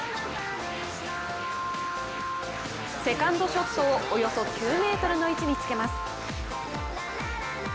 セカンドショットをおよそ９ｍの位置につけます。